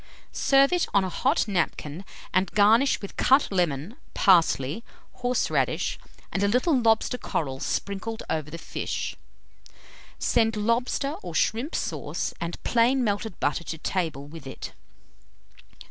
Serve it on a hot napkin, and garnish with cut lemon, parsley, horseradish, and a little lobster coral sprinkled over the fish. Send lobster or shrimp sauce and plain melted butter to table with it.